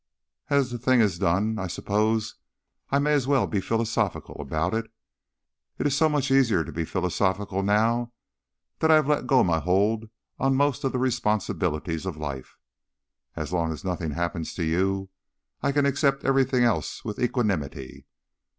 As the thing is done, I suppose I may as well be philosophical about it. It is so much easier to be philosophical now that I have let go my hold on most of the responsibilities of life. As long as nothing happens to you, I can accept everything else with equanimity.